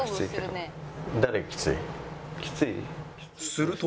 すると